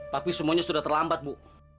tapi semuanya sudah terlambat bu